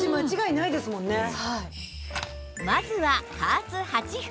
まずは加圧８分